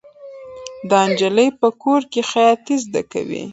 دا نجلۍ په کور کې خیاطي زده کوي.